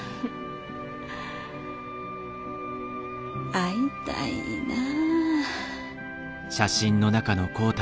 会いたいなぁ。